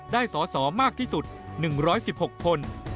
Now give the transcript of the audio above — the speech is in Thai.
ได้สอสอมากที่สุด๑๑๖คน